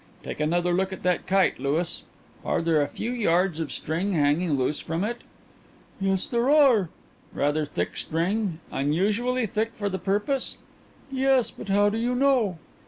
Take another look at that kite, Louis. Are there a few yards of string hanging loose from it?" "Yes, there are." "Rather thick string unusually thick for the purpose?" "Yes; but how do you know?"